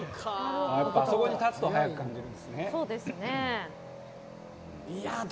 あそこに立つと速く感じるんですね。